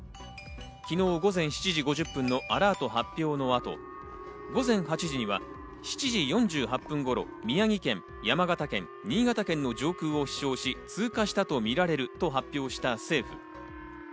昨日、午前７時５０分のアラート発表の後、午前８時には７時４８分頃、宮城県、山形県、新潟県の上空を飛翔し、通過したとみられると発表した政府。